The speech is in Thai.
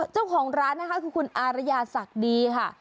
เจ้าของร้านนะคะคือคุณอารยาศักดีค่ะ